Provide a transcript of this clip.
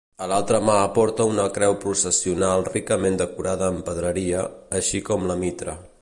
A l'altra mà porta una creu processional ricament decorada amb pedreria, així com la mitra.